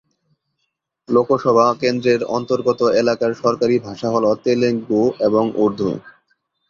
লোকসভা কেন্দ্রের অন্তর্গত এলাকার সরকারি ভাষা হল তেলুগু এবং উর্দু।